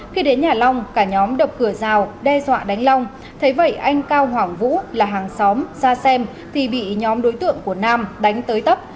khi đến nhà long cả nhóm đập cửa rào đe dọa đánh long thấy vậy anh cao hoàng vũ là hàng xóm ra xem thì bị nhóm đối tượng của nam đánh tới tấp